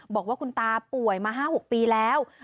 บอกว่าคุณตาป่วยมา๕๖ปีแล้ว